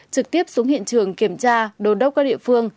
trực tiếp xuống hiện trường kiểm tra đồn đốc các địa phương